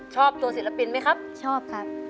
ชอบตัวศิลปินไหมครับชอบครับ